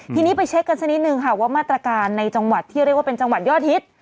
ทีนี้ไปเช็คกันสักนิดนึงค่ะว่ามาตรการในจังหวัดที่เรียกว่าเป็นจังหวัดยอดฮิต